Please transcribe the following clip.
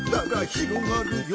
ひろがる！